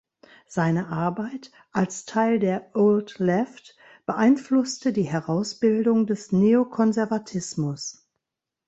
Seine Arbeit, als Teil der „Old Left“, beeinflusste die Herausbildung des Neokonservatismus.